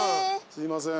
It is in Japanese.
すいません。